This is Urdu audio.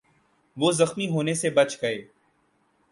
وہ زخمی ہونے سے بچ گئے